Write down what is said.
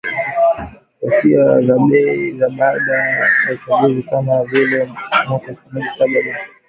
ghasia za baada ya uchaguzi kama zile za mwaka elfu na saba ambazo ziliitikisa Kenya